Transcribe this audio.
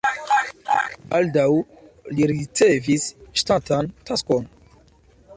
Baldaŭ li ricevis ŝtatan taskon.